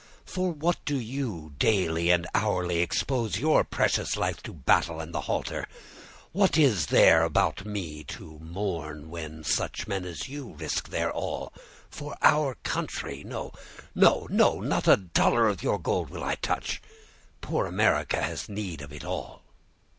For what do you daily and hourly expose your precious life to battle and the halter? What is there about me to mourn, when such men as you risk their all for our country? No, no, no—not a dollar of your gold will I touch; poor America has need of it all!"